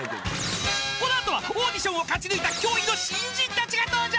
［この後はオーディションを勝ち抜いた驚異の新人たちが登場！］